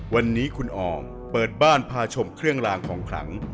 วันนี้คุณออมเปิดบ้านพาชมเครื่องลางของขลัง